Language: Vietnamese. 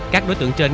các đối tượng trên